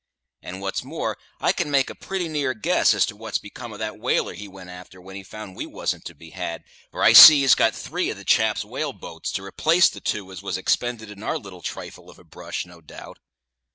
And what's more, I can make a pretty near guess as to what's become of that whaler that he went a'ter when he found we wasn't to be had, for I see he's got three of the chap's whale boats, to replace the two as was expended in our little trifle of a brush, no doubt."